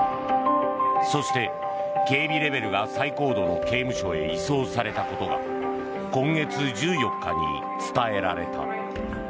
そして、警備レベルが最高度の刑務所へ移送されたことが今月１４日に伝えられた。